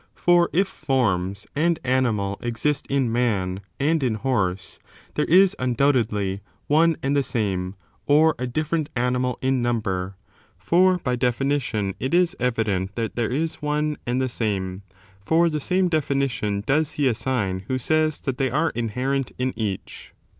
For if forms and animal exist in man and in horse, there is, undoubt edly, one and the same, or a different animal in number, for by definition it is evident that there is one and the same; for the same definition does he assign who says that they are inherent in each.